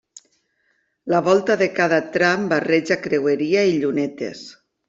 La volta de cada tram barreja creueria i llunetes.